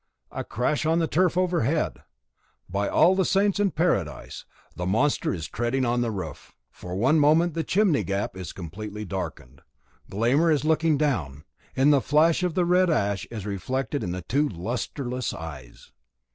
A crash on the turf overhead! By all the saints in paradise! The monster is treading on the roof. For one moment the chimney gap is completely darkened: Glámr is looking down it; the flash of the red ash is reflected in the two lustreless eyes.